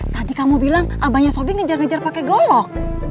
tadi kamu bilang abahnya sobing ngejar ngejar pakai golok